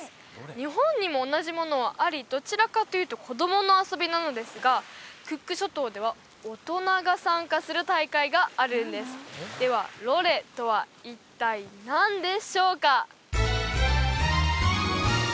日本にも同じものはありどちらかというと子供の遊びなのですがクック諸島では大人が参加する大会があるんですではロレとは一体何でしょうか？